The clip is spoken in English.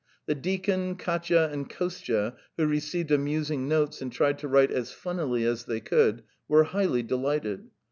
The deacon, Katya, and Kostya, who received amusing notes and tried to write as funnily as they could, were highly delighted.